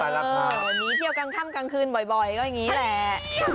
เที่ยวกันข้ามกลางคืนบ่อยก็อย่างนี้แหละ